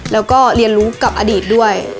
แล้วก็เรียนรู้กับอดีตด้วย